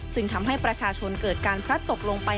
ทำให้ประชาชนเกิดการพลัดตกลงไป